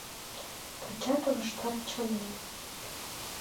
Тачат ылыжтат чонем.